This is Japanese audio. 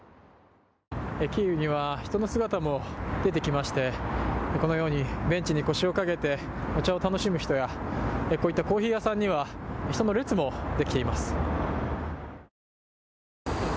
キーウには、人の姿も出てきましてこのようにベンチに腰をかけてお茶を飲む人やこういったコーヒー屋さんには人の列もできています。